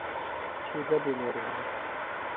تھی گہ بِمیریۡ ہِنیۡ؟